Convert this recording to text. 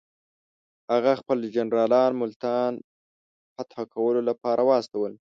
هغه خپل جنرالان ملتان فتح کولو لپاره واستول.